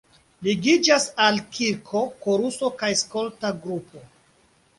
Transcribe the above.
Ligiĝas al la kirko koruso kaj skolta grupo.